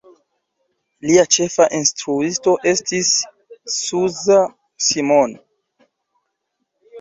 Lia ĉefa instruisto estis Zsuzsa Simon.